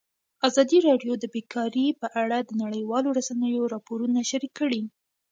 ازادي راډیو د بیکاري په اړه د نړیوالو رسنیو راپورونه شریک کړي.